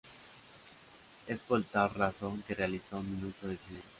Es por tal razón que se realizó un minuto de silencio.